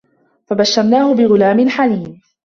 فَبَشَّرناهُ بِغُلامٍ حَليمٍ